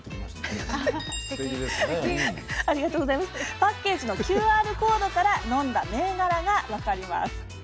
パッケージのＱＲコードから飲んだ銘柄が分かります。